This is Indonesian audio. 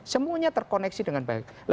semuanya terkoneksi dengan baik